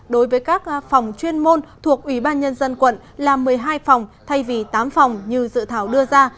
đối với các phòng chuyên môn thuộc ủy ban nhân dân quận là một mươi hai phòng thay vì tám phòng như dự thảo đưa ra